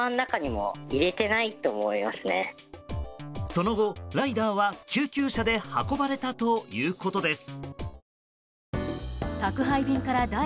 その後、ライダーは救急車で運ばれたということです。